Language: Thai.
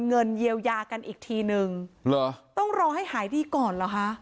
เงินเยียวยากันอีกทีนึงเหรอต้องรอให้หายดีก่อนเหรอคะ